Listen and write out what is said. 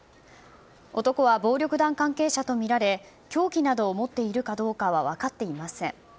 男は、暴力団関係者とみられ凶器などを持っているかどうかは分かっていません。